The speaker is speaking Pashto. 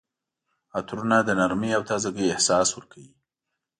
عطرونه د نرمۍ او تازګۍ احساس ورکوي.